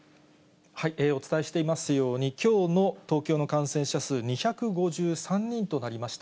お伝えしていますように、きょうの東京の感染者数、２５３人となりました。